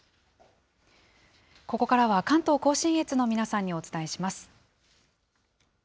関東甲信越の皆さんにお伝えします。